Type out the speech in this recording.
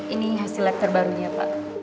ini hasil lab terbarunya pak